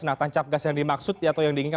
nah tancap gas yang dimaksud atau yang diingatkan